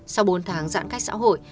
sau bốn tháng giãn cách xã hội